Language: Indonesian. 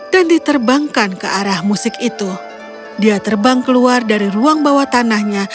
dan diterbangkan ke arah musik itu dia terbang keluar dari ruang bawah tanahnya